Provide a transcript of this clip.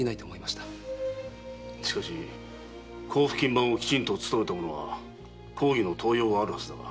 しかし甲府勤番をきちんと勤めた者は公儀の登用があるはずだが。